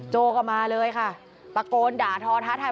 โจ้ก็มาเลยค่ะตะโกนด่าทอท้าทาย